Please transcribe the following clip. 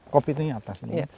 kop ini atas